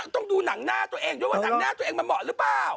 ต้องดูหนังหน้าตัวเองด้วยว่าหนังหน้าตัวเองมันเหมาะหรือเปล่า